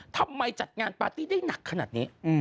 ทำไมจัดงานปาร์ตี้ได้หนักขนาดนี้